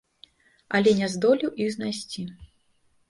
Але не здолеў іх знайсці.